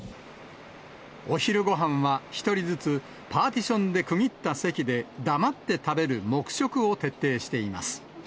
お昼ごはんは１人ずつ、パーティションで区切った席で黙って食べる黙食を徹底しています。